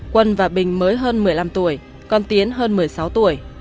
quân và bình mới hơn một mươi năm tuổi con tiến hơn một mươi sáu tuổi